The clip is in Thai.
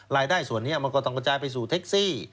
รายได้ส่วนนี้มันก็ต้องกระจายไปสู่เท็กซี่